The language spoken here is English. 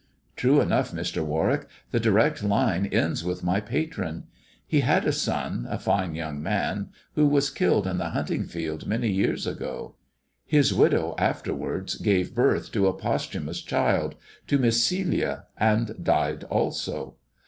'*True enough, Mr. Warwick. The direct line ends with my patron. He had a son, a fine young man, who was THE dwarf's chamber 59 killed in the hunting field many years ago. His widow after wards gave birth to a posthumous child — to Miss Celia, and died also.